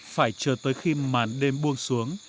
phải chờ tới khi màn đêm buông xuống